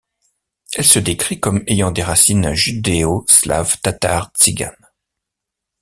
Elle se décrit comme ayant des racines judéo-slave-tatar-tsigane.